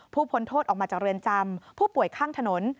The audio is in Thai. พ้นโทษออกมาจากเรือนจำผู้ป่วยข้างถนน